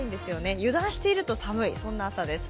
油断していると寒いそんな朝です。